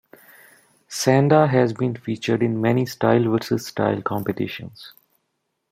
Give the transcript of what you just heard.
Sanda has been featured in many style-versus-style competitions.